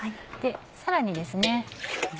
さらにですね